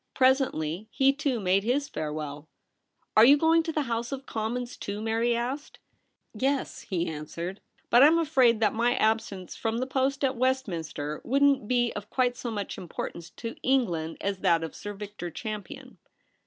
Presently he, too, made his farewell. * Are you going to the House of Commons too ?' Mary asked. ' Yes,' he answered ;' but I am afraid that my absence from the post at Westminster wouldn't be of quite so much importance to England as that of Sir Victor Champion.'